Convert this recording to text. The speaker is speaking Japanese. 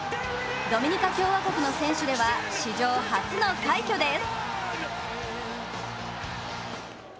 ドミニカ共和国の選手では史上初の快挙です。